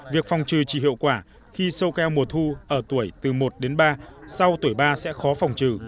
việc phòng trừ chỉ hiệu quả khi sâu keo mùa thu ở tuổi từ một đến ba sau tuổi ba sẽ khó phòng trừ